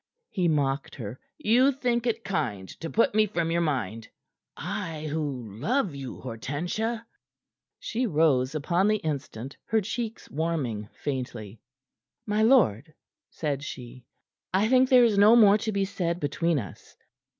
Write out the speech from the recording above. he mocked her. "You think it kind to put me from your mind I who love you, Hortensia!" She rose upon the instant, her cheeks warming faintly. "My lord," said she, "I think there is no more to be said between us."